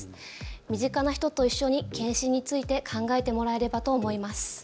身近な人と一緒に検診について考えてもらえればと思います。